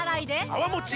泡もち